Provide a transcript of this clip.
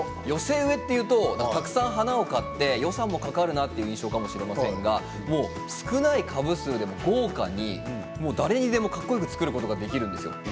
寄せ植えというとたくさん花を買って予算もかかるなという印象かもしれませんが少ない株数でも豪華に誰でもかっこよく作ることができるんですよ。